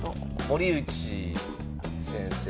森内先生。